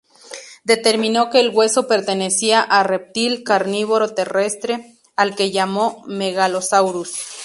Determinó que el hueso pertenecía a reptil carnívoro terrestre al que llamó "Megalosaurus".